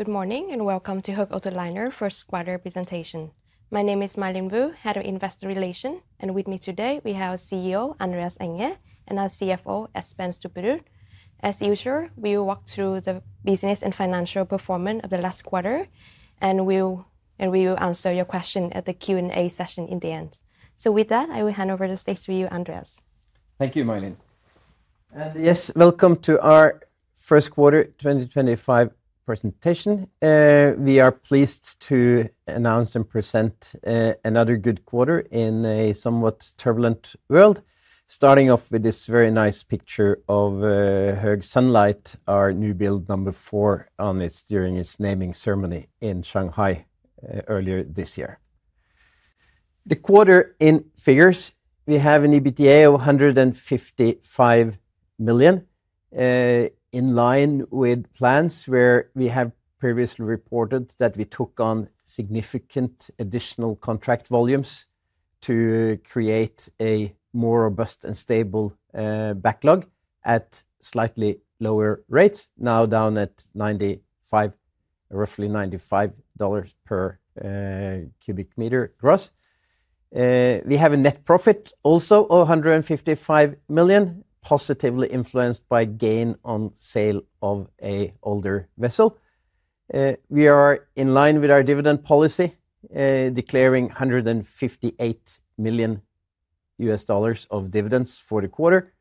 Good morning and welcome to Höegh Autoliners' first quarter presentation. My name is My Linh Vu, Head of Investor Relations, and with me today we have CEO Andreas Enger and our CFO Espen Stubberud. As usual, we will walk through the business and financial performance of the last quarter, and we will answer your questions at the Q&A session in the end. With that, I will hand over the stage to you, Andreas. Thank you, My Linh. Yes, welcome to our first quarter 2025 presentation. We are pleased to announce and present another good quarter in a somewhat turbulent world, starting off with this very nice picture of Höegh Sunlight, our new build number four, during its naming ceremony in Shanghai earlier this year. The quarter in figures, we have an EBITDA of $155 million in line with plans where we have previously reported that we took on significant additional contract volumes to create a more robust and stable backlog at slightly lower rates, now down at roughly $95 per cubic meter gross. We have a net profit also of $155 million, positively influenced by gain on sale of an older vessel. We are in line with our dividend policy, declaring $158 million of dividends for the quarter.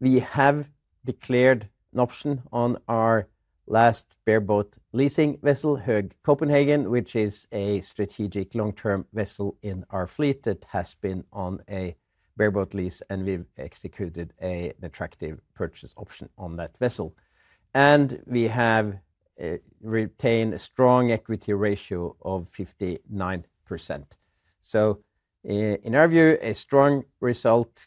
We have declared an option on our last bareboat leasing vessel, Höegh Copenhagen, which is a strategic long-term vessel in our fleet. It has been on a bareboat lease, and we've executed an attractive purchase option on that vessel. We have retained a strong equity ratio of 59%. In our view, a strong result,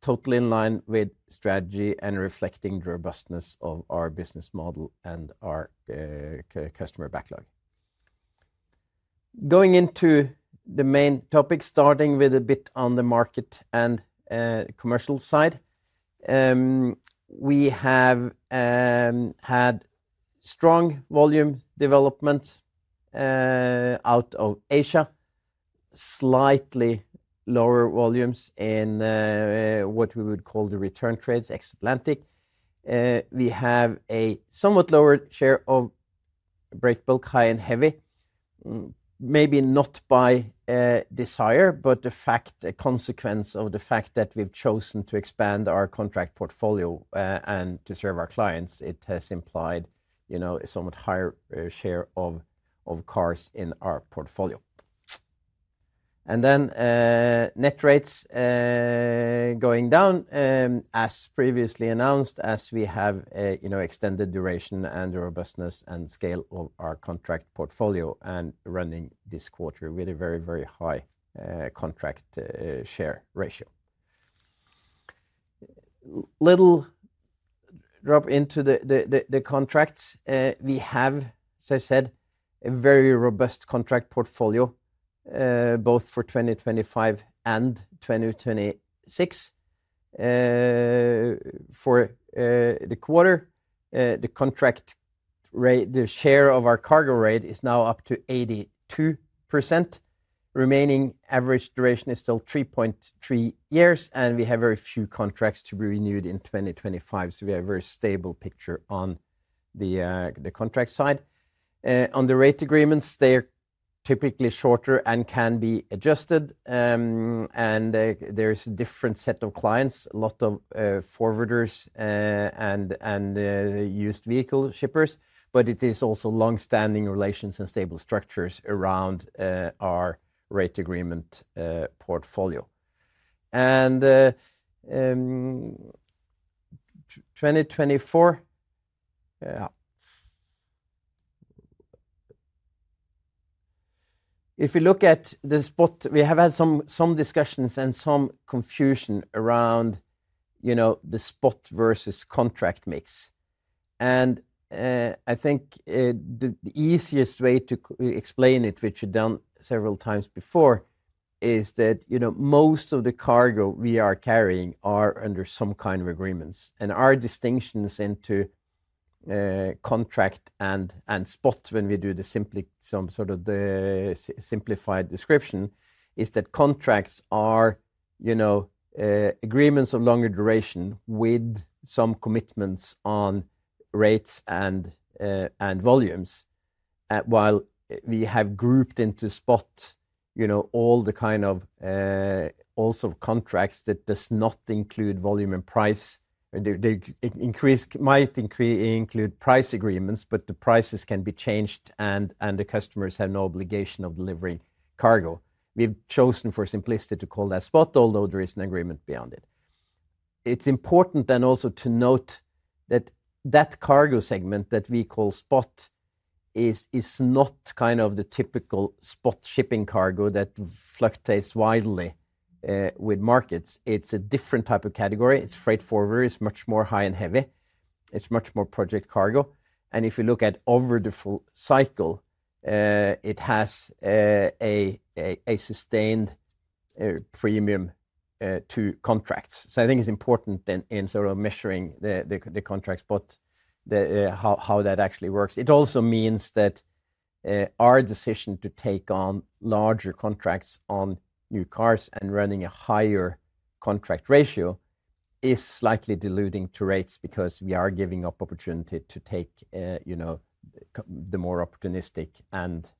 totally in line with strategy and reflecting the robustness of our business model and our customer backlog. Going into the main topic, starting with a bit on the market and commercial side, we have had strong volume developments out of Asia, slightly lower volumes in what we would call the return trades ex-Atlantic. We have a somewhat lower share of breakbulk, high, and heavy, maybe not by desire, but the fact, a consequence of the fact that we've chosen to expand our contract portfolio and to serve our clients, it has implied a somewhat higher share of cars in our portfolio. Net rates going down, as previously announced, as we have extended duration and robustness and scale of our contract portfolio and running this quarter with a very, very high contract share ratio. Little drop into the contracts. We have, as I said, a very robust contract portfolio, both for 2025 and 2026. For the quarter, the contract rate, the share of our cargo rate is now up to 82%. Remaining average duration is still 3.3 years, and we have very few contracts to be renewed in 2025. We have a very stable picture on the contract side. On the rate agreements, they're typically shorter and can be adjusted. There's a different set of clients, a lot of forwarders and used vehicle shippers, but it is also long-standing relations and stable structures around our rate agreement portfolio. In 2024, if we look at the spot, we have had some discussions and some confusion around the spot versus contract mix. I think the easiest way to explain it, which we've done several times before, is that most of the cargo we are carrying are under some kind of agreements. Our distinctions into contract and spot, when we do the simply some sort of the simplified description, is that contracts are agreements of longer duration with some commitments on rates and volumes. While we have grouped into spot all the kind of also contracts that do not include volume and price. It might include price agreements, but the prices can be changed, and the customers have no obligation of delivering cargo. We've chosen for simplicity to call that spot, although there is an agreement beyond it. It's important then also to note that that cargo segment that we call spot is not kind of the typical spot shipping cargo that fluctuates widely with markets. It's a different type of category. It's freight forwarders. It's much more high and heavy. It's much more project cargo. If you look at over the full cycle, it has a sustained premium to contracts. I think it's important in sort of measuring the contract spot, how that actually works. It also means that our decision to take on larger contracts on new cars and running a higher contract ratio is slightly diluting to rates because we are giving up opportunity to take the more opportunistic and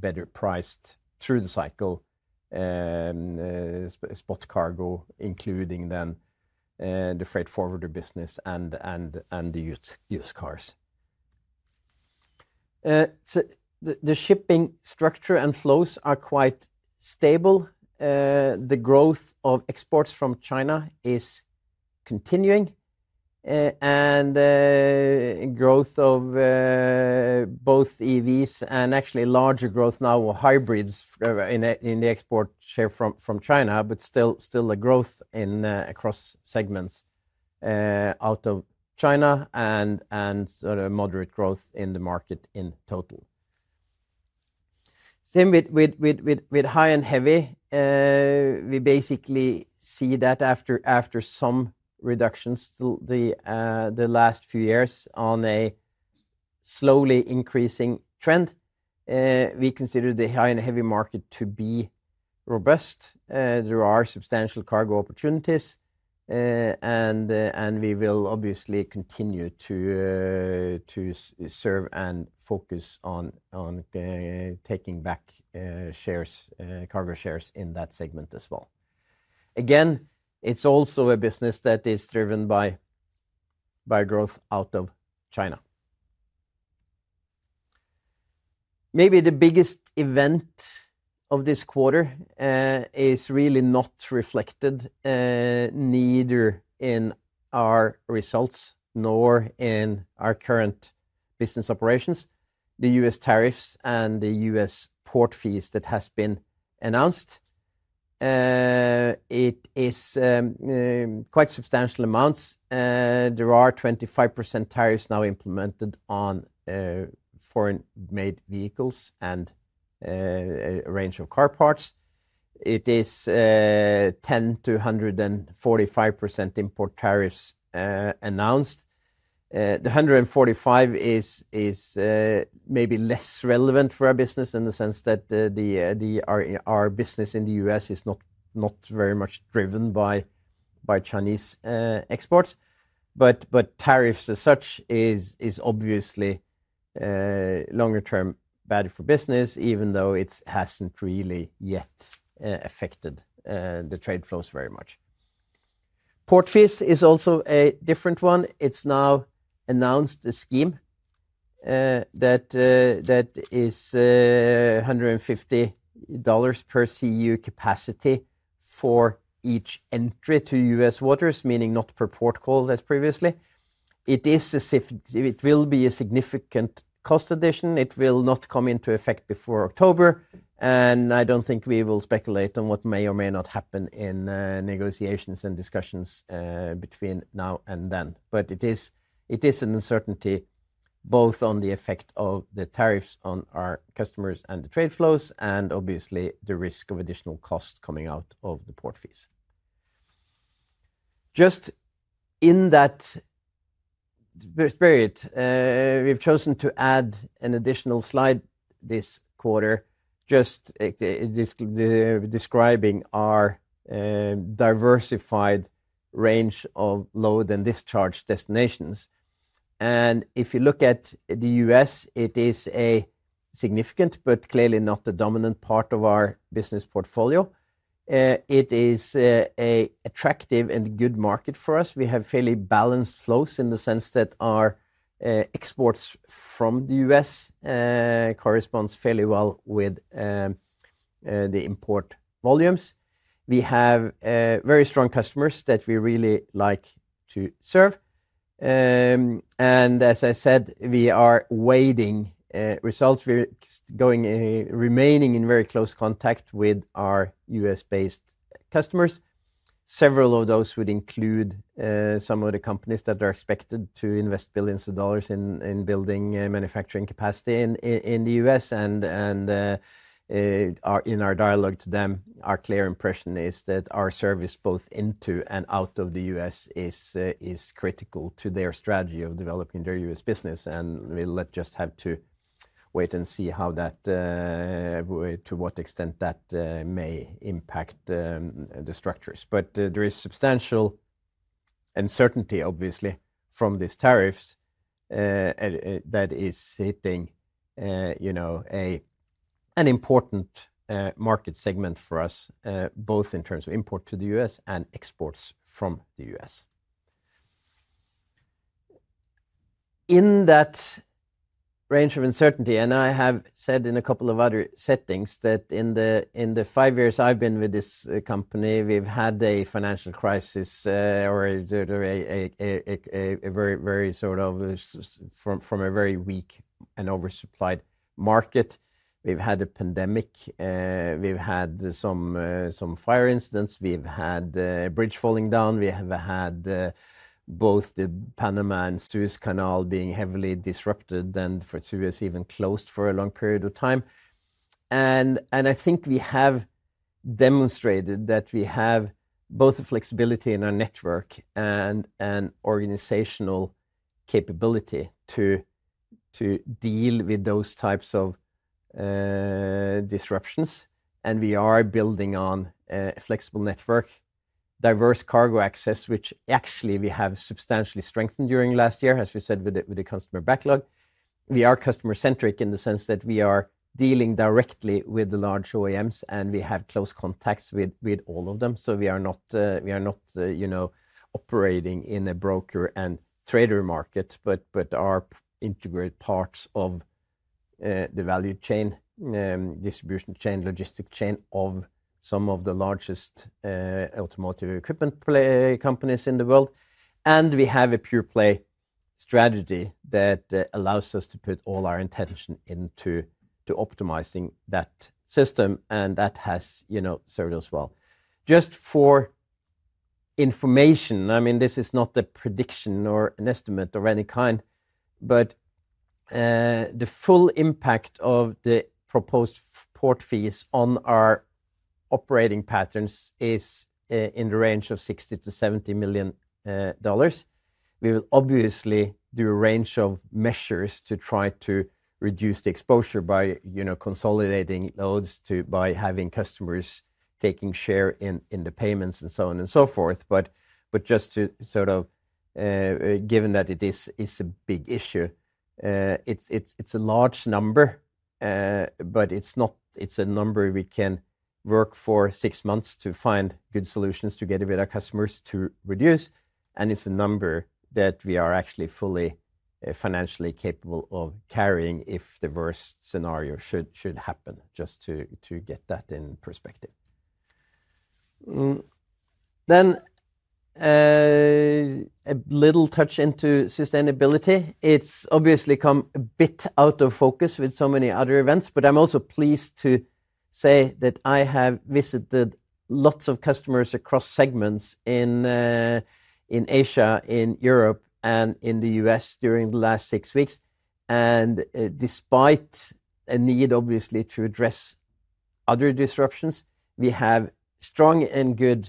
better priced through the cycle spot cargo, including then the freight forwarder business and the used cars. The shipping structure and flows are quite stable. The growth of exports from China is continuing and growth of both EVs and actually larger growth now of hybrids in the export share from China, but still a growth across segments out of China and sort of moderate growth in the market in total. Same with high and heavy. We basically see that after some reductions the last few years on a slowly increasing trend. We consider the high and heavy market to be robust. There are substantial cargo opportunities, and we will obviously continue to serve and focus on taking back cargo shares in that segment as well. Again, it's also a business that is driven by growth out of China. Maybe the biggest event of this quarter is really not reflected neither in our results nor in our current business operations, the US tariffs and the US port fees that have been announced. It is quite substantial amounts. There are 25% tariffs now implemented on foreign-made vehicles and a range of car parts. It is 10-145% import tariffs announced. The 145% is maybe less relevant for our business in the sense that our business in the US is not very much driven by Chinese exports. Tariffs as such is obviously longer-term bad for business, even though it hasn't really yet affected the trade flows very much. Port fees is also a different one. It's now announced a scheme that is $150 per CEU capacity for each entry to US waters, meaning not per port called as previously. It will be a significant cost addition. It will not come into effect before October. I don't think we will speculate on what may or may not happen in negotiations and discussions between now and then. It is an uncertainty both on the effect of the tariffs on our customers and the trade flows and obviously the risk of additional costs coming out of the port fees. Just in that period, we've chosen to add an additional slide this quarter just describing our diversified range of load and discharge destinations. If you look at the US, it is a significant, but clearly not the dominant part of our business portfolio. It is an attractive and good market for us. We have fairly balanced flows in the sense that our exports from the US correspond fairly well with the import volumes. We have very strong customers that we really like to serve. As I said, we are waiting results. We're remaining in very close contact with our US-based customers. Several of those would include some of the companies that are expected to invest billions of dollars in building manufacturing capacity in the US. In our dialogue to them, our clear impression is that our service both into and out of the US is critical to their strategy of developing their US business. We'll just have to wait and see how that, to what extent that may impact the structures. There is substantial uncertainty, obviously, from these tariffs that is hitting an important market segment for us, both in terms of import to the US and exports from the US. In that range of uncertainty, and I have said in a couple of other settings that in the five years I have been with this company, we have had a financial crisis or a very sort of from a very weak and oversupplied market. We have had a pandemic. We have had some fire incidents. We have had a bridge falling down. We have had both the Panama and Suez Canal being heavily disrupted and for two years even closed for a long period of time. I think we have demonstrated that we have both the flexibility in our network and an organizational capability to deal with those types of disruptions. We are building on a flexible network, diverse cargo access, which actually we have substantially strengthened during last year, as we said, with the customer backlog. We are customer-centric in the sense that we are dealing directly with the large OEMs, and we have close contacts with all of them. We are not operating in a broker and trader market, but are integrated parts of the value chain, distribution chain, logistics chain of some of the largest automotive equipment companies in the world. We have a pure play strategy that allows us to put all our intention into optimizing that system. That has served us well. Just for information, I mean, this is not a prediction or an estimate of any kind, but the full impact of the proposed port fees on our operating patterns is in the range of $60-$70 million. We will obviously do a range of measures to try to reduce the exposure by consolidating loads, by having customers taking share in the payments and so on and so forth. Just to sort of, given that it is a big issue, it is a large number, but it is a number we can work for six months to find good solutions together with our customers to reduce. It is a number that we are actually fully financially capable of carrying if the worst scenario should happen, just to get that in perspective. A little touch into sustainability. It has obviously come a bit out of focus with so many other events, but I am also pleased to say that I have visited lots of customers across segments in Asia, in Europe, and in the US during the last six weeks. Despite a need, obviously, to address other disruptions, we have strong and good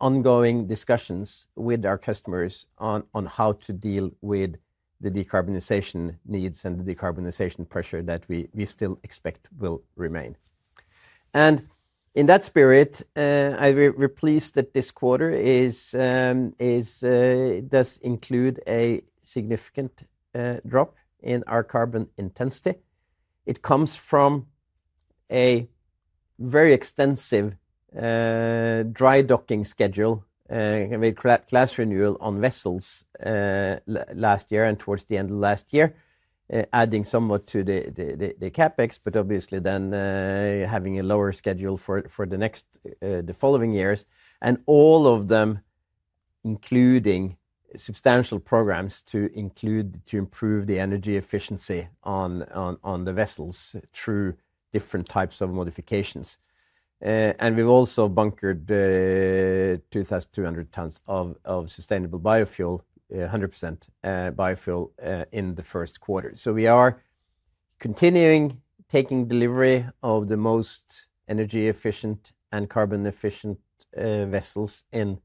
ongoing discussions with our customers on how to deal with the decarbonization needs and the decarbonization pressure that we still expect will remain. In that spirit, I am pleased that this quarter does include a significant drop in our carbon intensity. It comes from a very extensive dry docking schedule, class renewal on vessels last year and towards the end of last year, adding somewhat to the CapEx, but obviously then having a lower schedule for the following years. All of them, including substantial programs to improve the energy efficiency on the vessels through different types of modifications. We have also bunkered 2,200 tons of sustainable biofuel, 100% biofuel in the first quarter. We are continuing taking delivery of the most energy efficient and carbon efficient vessels in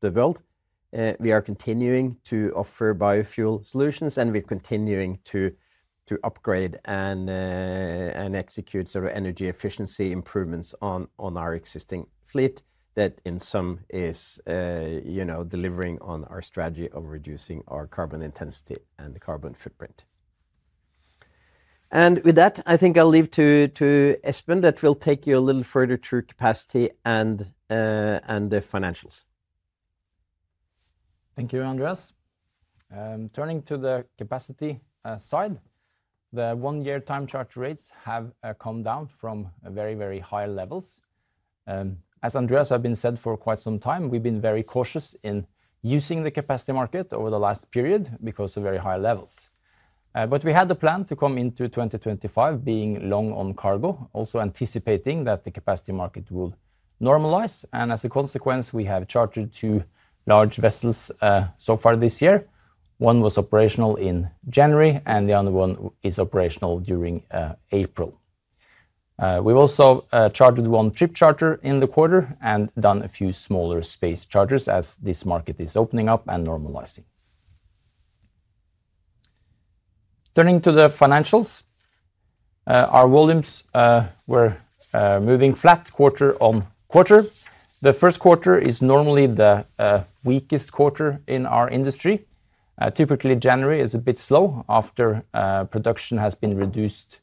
the world. We are continuing to offer biofuel solutions, and we're continuing to upgrade and execute sort of energy efficiency improvements on our existing fleet that in some is delivering on our strategy of reducing our carbon intensity and the carbon footprint. With that, I think I'll leave to Espen that will take you a little further through capacity and the financials. Thank you, Andreas. Turning to the capacity side, the one-year time charge rates have come down from very, very high levels. As Andreas has been said for quite some time, we've been very cautious in using the capacity market over the last period because of very high levels. We had the plan to come into 2025 being long on cargo, also anticipating that the capacity market will normalize. As a consequence, we have chartered two large vessels so far this year. One was operational in January, and the other one is operational during April. We've also chartered one trip charter in the quarter and done a few smaller space charters as this market is opening up and normalizing. Turning to the financials, our volumes were moving flat quarter on quarter. The first quarter is normally the weakest quarter in our industry. Typically, January is a bit slow after production has been reduced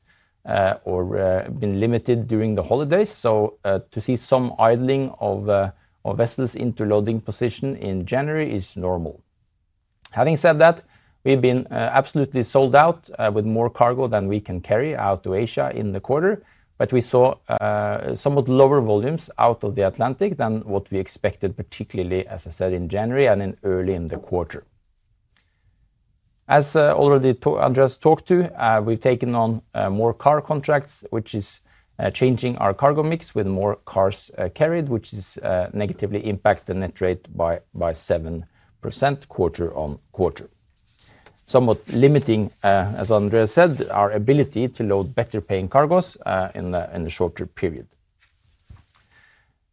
or been limited during the holidays. To see some idling of vessels into loading position in January is normal. Having said that, we've been absolutely sold out with more cargo than we can carry out to Asia in the quarter, but we saw somewhat lower volumes out of the Atlantic than what we expected, particularly, as I said, in January and early in the quarter. As already Andreas talked to, we've taken on more car contracts, which is changing our cargo mix with more cars carried, which is negatively impacting the net rate by 7% quarter on quarter, somewhat limiting, as Andreas said, our ability to load better paying cargos in a shorter period.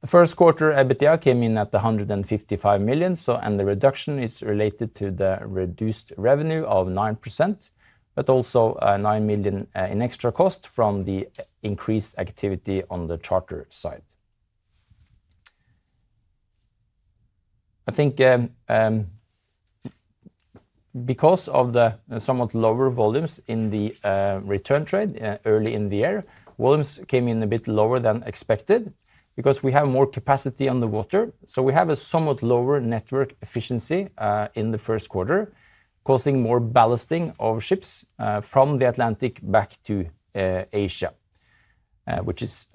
The first quarter, EBITDA came in at $155 million, and the reduction is related to the reduced revenue of 9%, but also $9 million in extra cost from the increased activity on the charter side. I think because of the somewhat lower volumes in the return trade early in the year, volumes came in a bit lower than expected because we have more capacity on the water. We have a somewhat lower network efficiency in the first quarter, causing more ballasting of ships from the Atlantic back to Asia, which is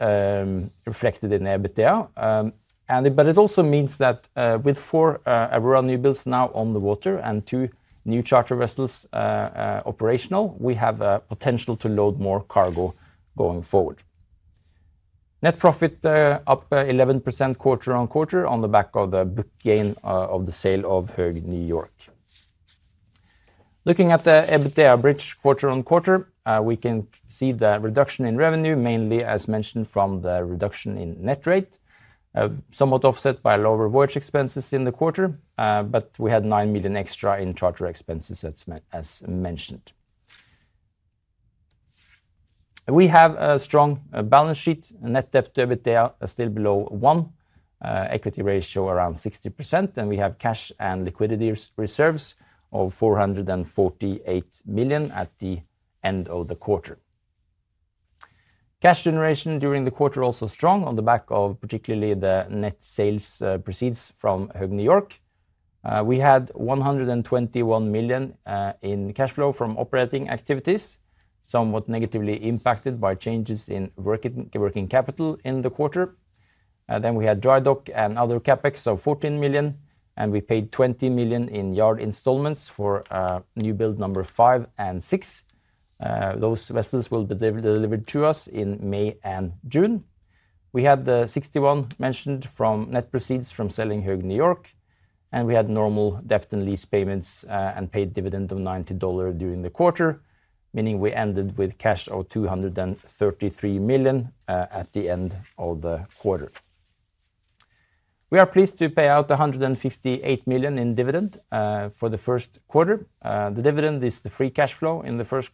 reflected in EBITDA. It also means that with four Aurora class vessels now on the water and two new charter vessels operational, we have a potential to load more cargo going forward. Net profit up 11% quarter on quarter on the back of the book gain of the sale of Höegh New York. Looking at the EBITDA average quarter on quarter, we can see the reduction in revenue, mainly, as mentioned, from the reduction in net rate, somewhat offset by lower voyage expenses in the quarter, but we had $9 million extra in charter expenses, as mentioned. We have a strong balance sheet, net debt to EBITDA still below one, equity ratio around 60%, and we have cash and liquidity reserves of $448 million at the end of the quarter. Cash generation during the quarter also strong on the back of particularly the net sales proceeds from Höegh New York. We had $121 million in cash flow from operating activities, somewhat negatively impacted by changes in working capital in the quarter. We had dry dock and other CapEx of $14 million, and we paid $20 million in yard installments for New Build number five and six. Those vessels will be delivered to us in May and June. We had the $61 million mentioned from net proceeds from selling Höegh New York, and we had normal debt and lease payments and paid dividend of $90 million during the quarter, meaning we ended with cash of $233 million at the end of the quarter. We are pleased to pay out $158 million in dividend for the first quarter. The dividend is the free cash flow in the first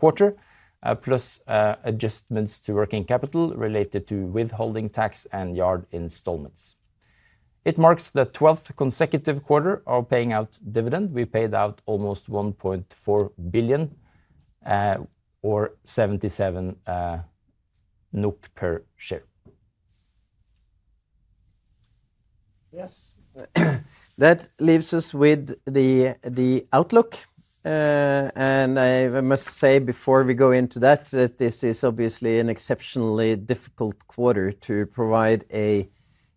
quarter, plus adjustments to working capital related to withholding tax and yard installments. It marks the 12th consecutive quarter of paying out dividend. We paid out almost 1.4 billion or 77 NOK per share. Yes, that leaves us with the outlook. I must say before we go into that that this is obviously an exceptionally difficult quarter to provide a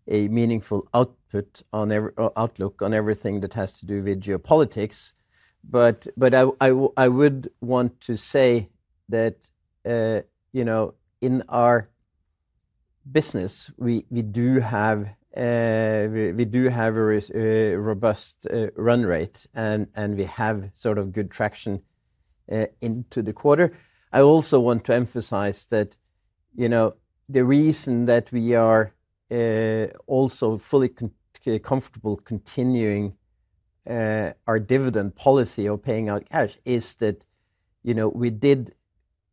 meaningful outlook on everything that has to do with geopolitics. I would want to say that in our business, we do have a robust run rate, and we have sort of good traction into the quarter. I also want to emphasize that the reason that we are also fully comfortable continuing our dividend policy of paying out cash is that we did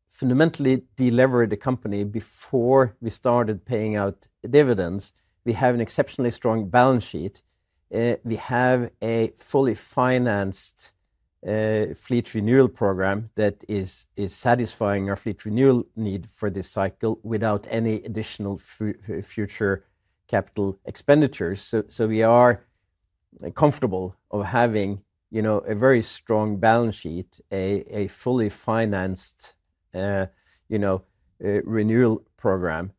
fundamentally deliver the company before we started paying out dividends. We have an exceptionally strong balance sheet. We have a fully financed fleet renewal program that is satisfying our fleet renewal need for this cycle without any additional future capital expenditures. We are comfortable of having a very strong balance sheet, a fully financed renewal program,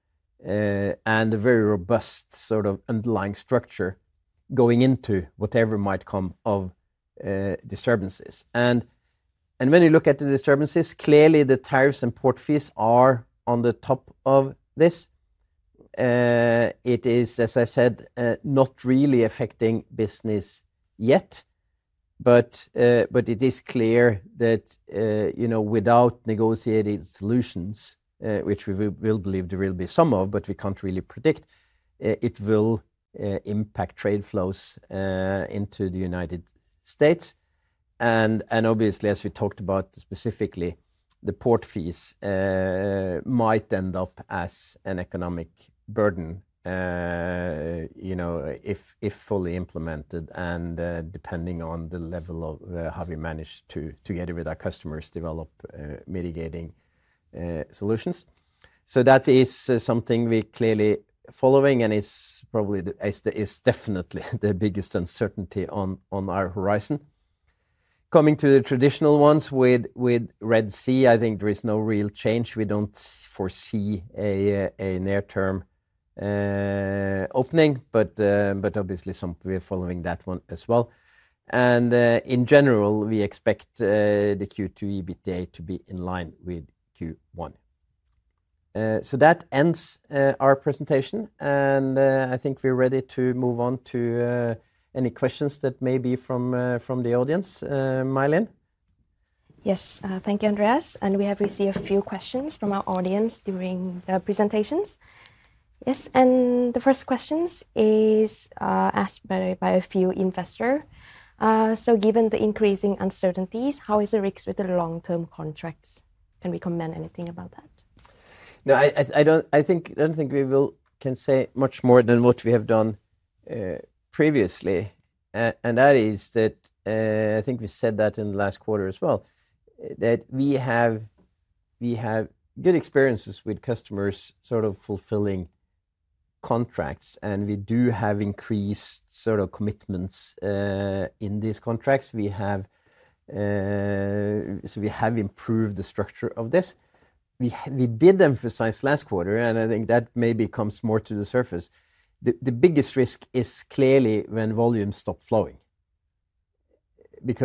and a very robust sort of underlying structure going into whatever might come of disturbances. When you look at the disturbances, clearly the tariffs and port fees are on the top of this. It is, as I said, not really affecting business yet, but it is clear that without negotiated solutions, which we will believe there will be some of, but we can't really predict, it will impact trade flows into the United States. Obviously, as we talked about specifically, the port fees might end up as an economic burden if fully implemented and depending on the level of how we manage to, together with our customers, develop mitigating solutions. That is something we're clearly following and is probably definitely the biggest uncertainty on our horizon. Coming to the traditional ones with Red Sea, I think there is no real change. We do not foresee a near-term opening, but obviously we are following that one as well. In general, we expect the Q2 EBITDA to be in line with Q1. That ends our presentation, and I think we are ready to move on to any questions that may be from the audience. My Linh? Yes, thank you, Andreas. We have received a few questions from our audience during the presentations. Yes, the first question is asked by a few investors. Given the increasing uncertainties, how is the risk with the long-term contracts? Can we comment anything about that? No, I do not think we can say much more than what we have done previously. I think we said that in the last quarter as well, that we have good experiences with customers sort of fulfilling contracts, and we do have increased sort of commitments in these contracts. We have improved the structure of this. We did emphasize last quarter, and I think that maybe comes more to the surface. The biggest risk is clearly when volumes stop flowing. When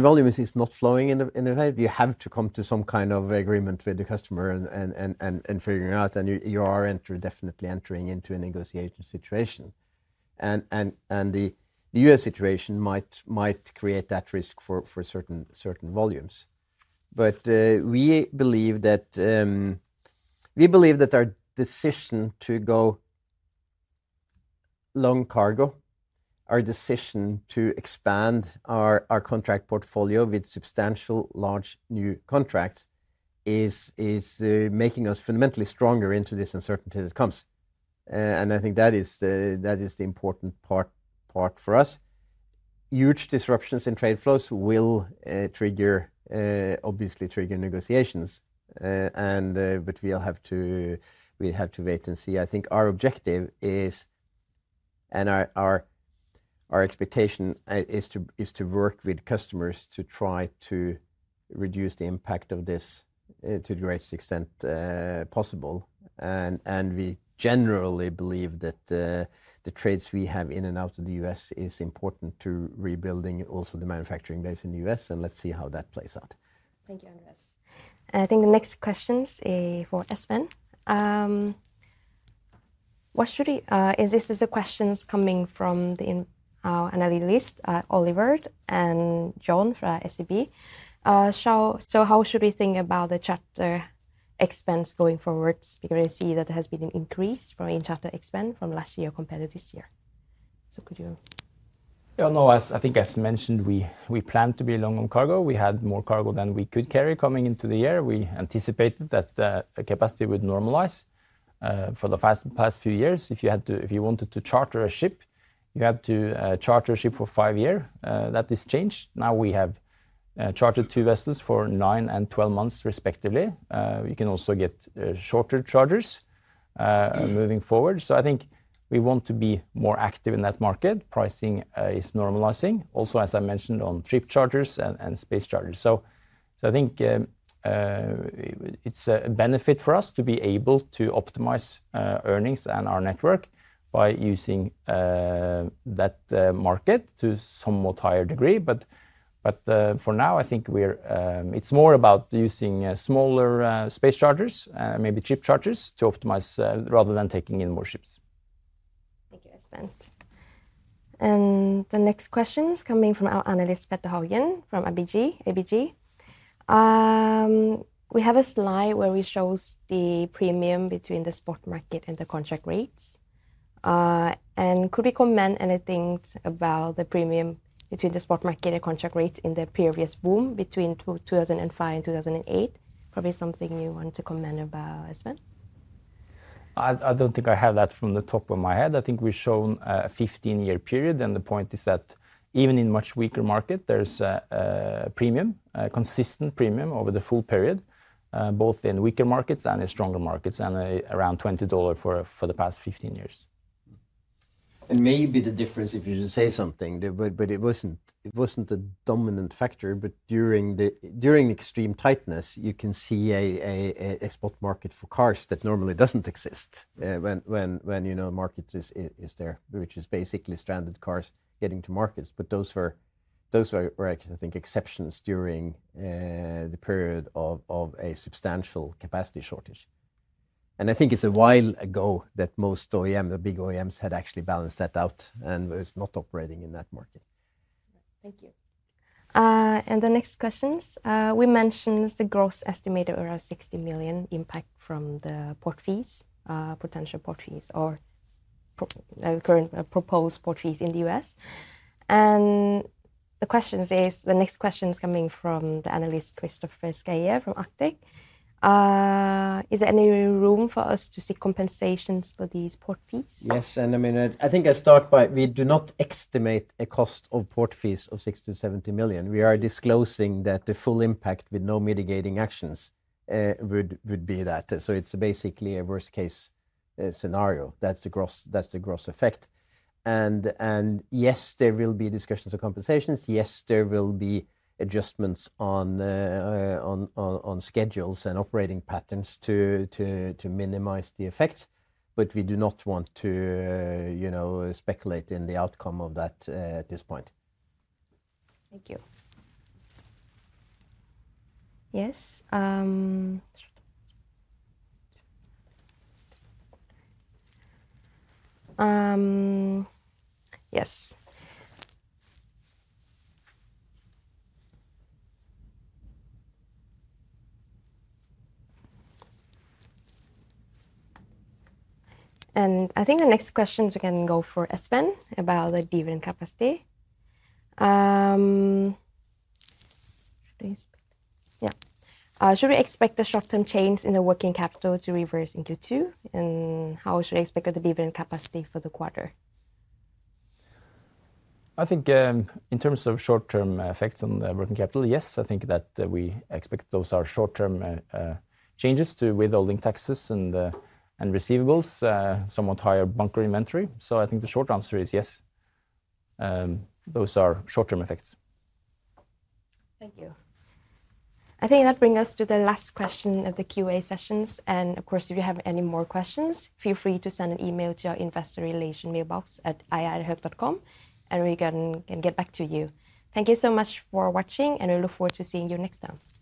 volumes are not flowing in the right, you have to come to some kind of agreement with the customer and figure it out, and you are definitely entering into a negotiation situation. The US situation might create that risk for certain volumes. We believe that our decision to go long cargo, our decision to expand our contract portfolio with substantial large new contracts is making us fundamentally stronger into this uncertainty that comes. I think that is the important part for us. Huge disruptions in trade flows will obviously trigger negotiations, but we'll have to wait and see. I think our objective is, and our expectation is to work with customers to try to reduce the impact of this to the greatest extent possible. We generally believe that the trades we have in and out of the US is important to rebuilding also the manufacturing base in the US, and let's see how that plays out. Thank you, Andreas. I think the next question is for Espen. This is a question coming from the analyst Oliver and John from SEB. How should we think about the charter expense going forward? I see that there has been an increase in charter expense from last year compared to this year. Could you? Yeah, no, I think as mentioned, we planned to be long on cargo. We had more cargo than we could carry coming into the year. We anticipated that the capacity would normalize for the past few years. If you wanted to charter a ship, you had to charter a ship for five years. That has changed. Now we have chartered two vessels for nine and twelve months respectively. You can also get shorter charters moving forward. I think we want to be more active in that market. Pricing is normalizing. Also, as I mentioned, on trip charters and space charters. I think it is a benefit for us to be able to optimize earnings and our network by using that market to a somewhat higher degree. For now, I think it is more about using smaller space charters, maybe trip charters, to optimize rather than taking in more ships. Thank you, Espen. The next question is coming from our analyst, Petter Haugen from ABG. We have a slide where we show the premium between the spot market and the contract rates. Could we comment anything about the premium between the spot market and contract rates in the previous boom between 2005 and 2008? Probably something you want to comment about, Espen? I do not think I have that from the top of my head. I think we have shown a 15-year period, and the point is that even in a much weaker market, there is a consistent premium over the full period, both in weaker markets and in stronger markets, and around $20 for the past 15 years. Maybe the difference, if you should say something, but it wasn't a dominant factor, but during extreme tightness, you can see a spot market for cars that normally doesn't exist when the market is there, which is basically stranded cars getting to markets. Those were, I think, exceptions during the period of a substantial capacity shortage. I think it's a while ago that most OEMs, the big OEMs, had actually balanced that out and were not operating in that market. Thank you. The next questions, we mentioned the gross estimated around $60 million impact from the port fees, potential port fees, or proposed port fees in the US. The next question is coming from the analyst, Kristoffer Skeie from Arctic. Is there any room for us to see compensations for these port fees? Yes, and I think I start by we do not estimate a cost of port fees of $60 million-$70 million. We are disclosing that the full impact with no mitigating actions would be that. It is basically a worst-case scenario. That is the gross effect. Yes, there will be discussions of compensations. Yes, there will be adjustments on schedules and operating patterns to minimize the effects, but we do not want to speculate in the outcome of that at this point. Thank you. Yes. Yes. I think the next questions we can go for Espen about the dividend capacity. Yeah. Should we expect the short-term change in the working capital to reverse into two? And how should we expect the dividend capacity for the quarter? I think in terms of short-term effects on the working capital, yes, I think that we expect those are short-term changes to withholding taxes and receivables, somewhat higher bunker inventory. I think the short answer is yes. Those are short-term effects. Thank you. I think that brings us to the last question of the Q&A sessions. Of course, if you have any more questions, feel free to send an email to our investor relation mailbox at iihr.com, and we can get back to you. Thank you so much for watching, and we look forward to seeing you next time.